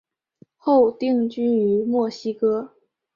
后定居于墨西哥。